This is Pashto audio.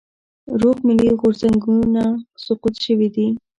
روغ ملي غورځنګونه سقوط شوي دي.